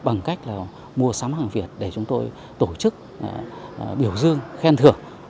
bằng cách là mua sắm hàng việt để chúng tôi tổ chức biểu dương khen thưởng